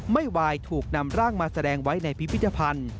ไม่ไหวถูกนำร่างมาแสดงไว้ในพิพิธภัณฑ์